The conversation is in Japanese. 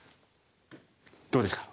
どうですか？